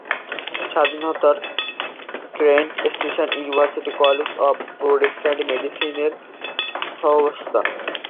স্বাধীনতা Kent State University College of Podiatric মেডিসিনেরও আবাসস্থল।